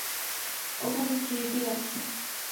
ওখানে ট্রিনিটিই আছে!